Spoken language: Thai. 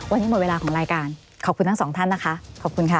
วันนี้หมดเวลาของรายการขอบคุณทั้งสองท่านนะคะขอบคุณค่ะ